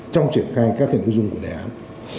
trong triển khai các nội dung của đề án